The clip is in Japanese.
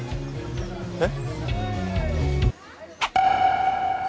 えっ？